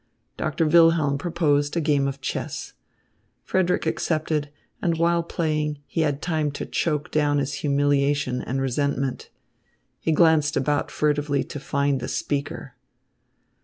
Doctor Wilhelm proposed a game of chess. Frederick accepted, and while playing, he had time to choke down his humiliation and resentment. He glanced about furtively to find the speaker.